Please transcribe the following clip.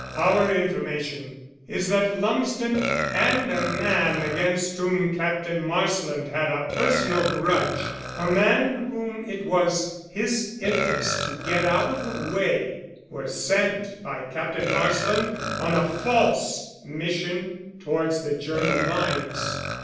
"Our information is that Lumsden and a man against whom Captain Marsland had a personal grudge a man whom it was his interest to get out of the way were sent by Captain Marsland on a false mission towards the German lines.